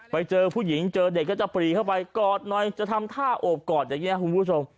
ไปเจอผู้หญิงเจอเด็กก็จะปรีเข้าไปกอดหน่อยจะทำท่าโอบกอดอย่างนี้คุณผู้ชม